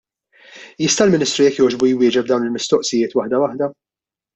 Jista' l-Ministru jekk jogħġbu jwieġeb dawn il-mistoqsijiet waħda waħda?